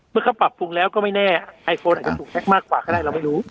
เมื่อเขาปรับปรุงแล้วก็ไม่แน่ไอโฟนอาจจะถูกแก๊กมากกว่าก็ได้เราไม่รู้